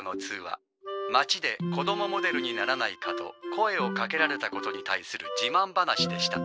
町で子供モデルにならないかと声をかけられたことに対する自慢話でした。